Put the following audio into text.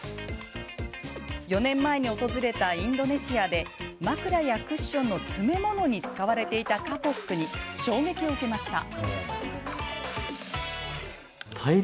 ４年前、インドネシアを訪れた際現地で枕やクッションの詰め物に使われていたカポックに衝撃を受けました。